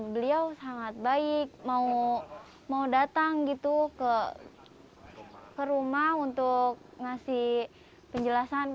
beliau sangat baik mau datang gitu ke rumah untuk ngasih penjelasan